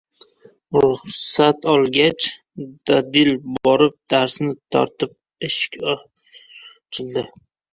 Ruxsat olgach, dadil borib dastani tortdi: eshik osongina ochildi.